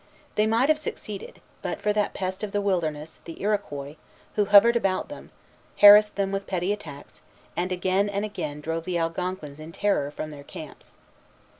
They might have succeeded, but for that pest of the wilderness, the Iroquois, who hovered about them, harassed them with petty attacks, and again and again drove the Algonquins in terror from their camps.